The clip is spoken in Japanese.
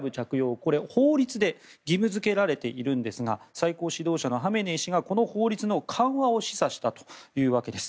これは法律で義務付けられているんですが最高指導者のハメネイ師がこの法律の緩和を示唆したというわけです。